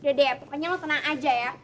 dede pokoknya lo tenang aja ya